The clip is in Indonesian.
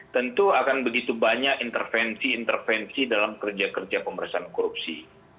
tentu akan begitu banyak intervensi intervensi dalam kerja kerja pemerintahan korupsi